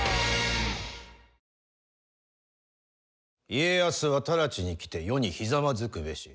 家康は直ちに来て余にひざまずくべし。